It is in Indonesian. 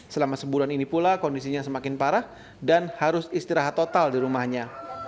selama sebulan ini pula kondisinya semakin parah dan harus istirahat total di rumahnya